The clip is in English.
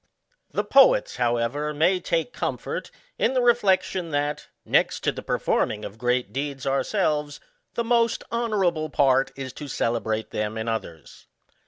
The poets, however, may take comfort in the reflec tion, that, next to the performing of great deeds ourselves, the most honourable part is to celebrate them in others.